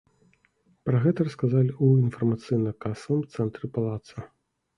Пра гэта расказалі ў інфармацыйна-касавым цэнтры палаца.